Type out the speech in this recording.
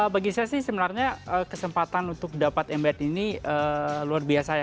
bagi saya sih sebenarnya kesempatan untuk dapat embet ini luar biasa ya